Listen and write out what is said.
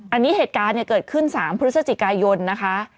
อันนี้เหตุการณ์เกิดขึ้น๓พฤศจิกายนนะคะ